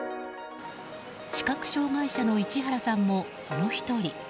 視覚障害者の市原さんもその１人。